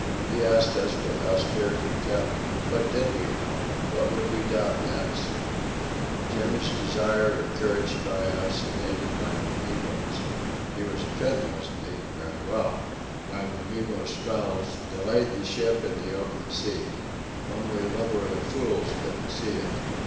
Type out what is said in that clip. He asked us with austere contempt: what did we know? What would we doubt next? Jimmy's desire encouraged by us and aided by Wamibo's (he was a Finn wasn't he? Very well!) by Wamibo's spells delayed the ship in the open sea. Only lubberly fools couldn't see it.